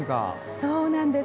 そうなんです。